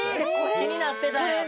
気になってた、これ。